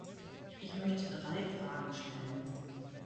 Ich möchte drei Fragen stellen.